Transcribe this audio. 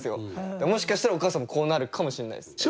もしかしたらお母さんもこうなるかもしれないですね。